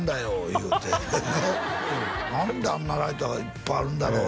言うてね「何であんなライターがいっぱいあるんだろう？」